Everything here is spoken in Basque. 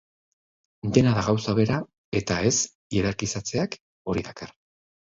Dena da gauza bera, eta ez hierarkizatzeak hori dakar.